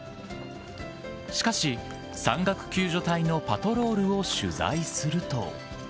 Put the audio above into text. しかし、山岳救助隊のパトロールを取材すると。